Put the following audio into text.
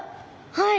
はい。